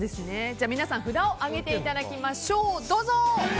皆さん札を上げていただきましょう。